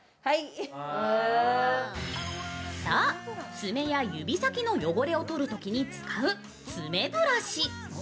爪や指先の汚れを取るときに使う爪ブラシ。